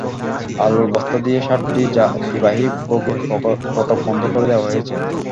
আলুর বস্তা দিয়ে সাতটি যাত্রীবাহী বগির ফটক বন্ধ করে দেওয়া হয়েছে।